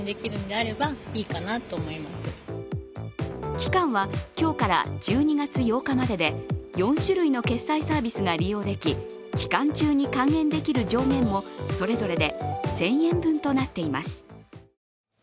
期間は、今日から１２月８日までで、４種類の決済サービスが利用でき、期間中に還元できる上限もそれぞれで１０００円分となっています。